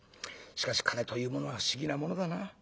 しかし金というものは不思議なものだな。